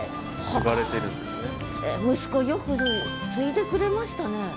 息子よく継いでくれましたね。